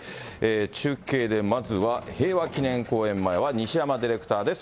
中継で、まずは平和記念公園前は西山ディレクターです。